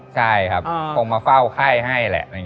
ใช่ครับคงมาเฝ้าไข้ให้แหละ